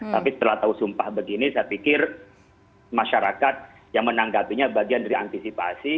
tapi setelah tahu sumpah begini saya pikir masyarakat yang menanggapinya bagian dari antisipasi